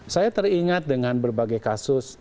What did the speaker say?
saya teringat dengan berbagai kasus